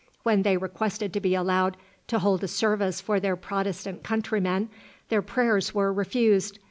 When they requested to be allowed to hold a service for their Protestant countrymen, their prayers were refused.